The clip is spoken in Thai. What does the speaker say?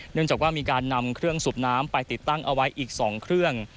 เนื่องจากว่ามีการนำเครื่องสูบน้ำไปติดตั้งเอาไว้อีก๒เครื่อง